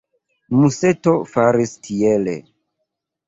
Museto faris tiele.